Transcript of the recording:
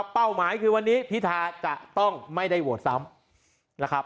เป้าหมายคือวันนี้พิทาจะต้องไม่ได้โหวตซ้ำนะครับ